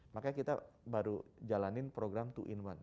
makanya kita baru jalanin program dua in satu